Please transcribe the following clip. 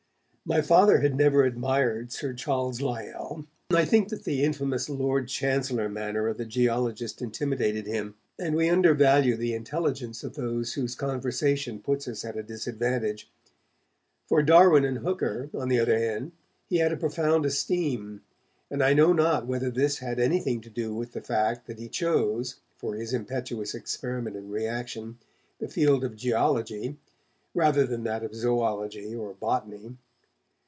My Father had never admired Sir Charles Lyell. I think that the famous 'Lord Chancellor manner' of the geologist intimidated him, and we undervalue the intelligence of those whose conversation puts us at a disadvantage. For Darwin and Hooker, on the other hand, he had a profound esteem, and I know not whether this had anything to do with the fact that he chose, for his impetuous experiment in reaction, the field of geology, rather than that of zoology or botany.